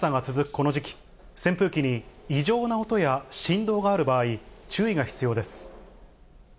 この時期、扇風機に異常な音や振動がある場合、注意が必要です。